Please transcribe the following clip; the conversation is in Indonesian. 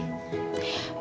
kok wangi banget sih